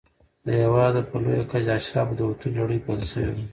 له هېواده په لویه کچه د اشرافو وتلو لړۍ پیل شوې وه.